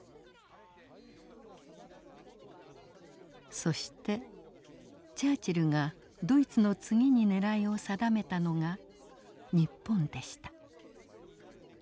そしてチャーチルがドイツの次に狙いを定めたのが日本でした。